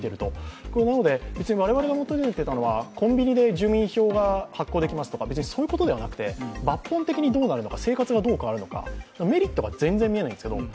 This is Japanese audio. なので、我々が求めてたのはコンビニで住民票が発行できますとか別にそういうことではなくて抜本的にどうなるのか生活がどう変わるのか、メリットが全然見えないんですけど。